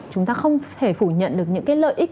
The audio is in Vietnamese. chúng ta không thể phủ nhận được những cái lợi ích